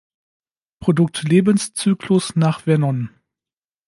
Produktlebenszyklus nach Vernon